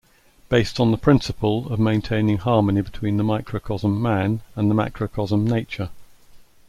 Based on the principle of maintaining harmony between the microcosm, Man; and macrocosm, Nature.